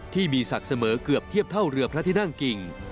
ที่มีศักดิ์เสมอเกือบเทียบเท่าเรือพระที่นั่งกิ่ง